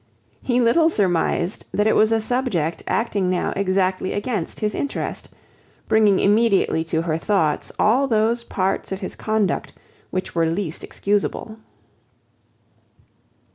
He little surmised that it was a subject acting now exactly against his interest, bringing immediately to her thoughts all those parts of his conduct which were least excusable.